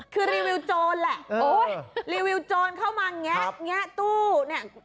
คือรีวิวโจรแหละโอ้ยรีวิวโจรเข้ามาแงะแงะตู้เนี่ย